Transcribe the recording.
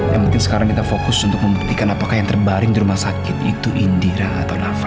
yang mungkin sekarang kita fokus untuk membuktikan apakah yang terbaring di rumah sakit itu indira atau nafa